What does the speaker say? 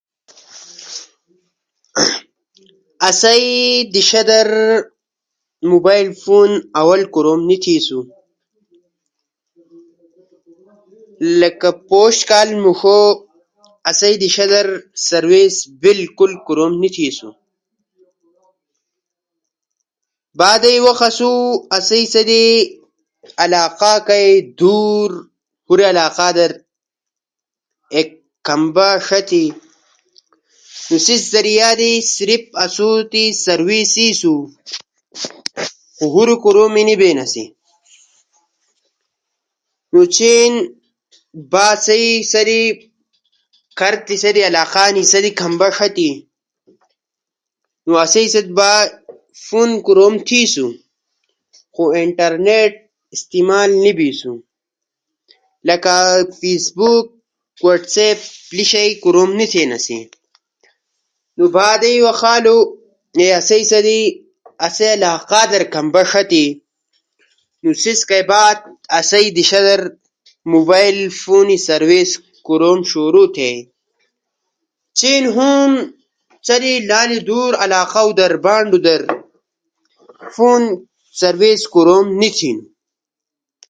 آسئی دیشا در موبائل فون آول کوروم نی تھیسو۔ لکہ پوش کال موݜو در اسئی دیشا در بالکل سروس نی آسی۔ اسئی ملک در پوش کال موݜو تی موبائل کوروم نی تھیسو۔ با انا قصہ آسی کے آسئی سادی آسئی علاقہ کئی دور با ایک کھمبا ݜتی۔ نو سیس ذریعہ در آسو ستی صرف سروس تھیسو۔ نو چین با آسئی علاقہ در کھارے تی ایک ہورے کھمبا ݜتی، نو آسئی ست با فون ہم کوروم تھیسو۔ خو انٹرنیٹ استعمال نی بیسو۔ لکہ فیسبک، واٹس ایپ ، ٹک ٹاک، یوٹیوب ، آئی مو وغیرہ جے شیئی کوروم نی تھیناسی۔ با آدئی وخ آلو لکہ آسئی سادی آسئی علاقہ در کھمبا ݜتی نو سیس کئی بعد آسئی دیشا در موبائل فون کوروم شروع تھئی۔ خو ہورے موبائل کورومے نی بئیناسی۔ چین ہم آسئی دورے علاقہ ؤ لکہ بانڈو در ہم موبائل فون سروس نی تھینو۔ زنگلا در سروس نی آلی۔ انٹرنیٹ تا لالو سلو ہنی۔ مآسو جے ویڈیو ݜکونا، یا وائس رزونا سو لالو ٹیم ݜجنی۔ خو پخوانئی دور کئی بہتر ہنو۔ چن سہ دی کوروم تیہنو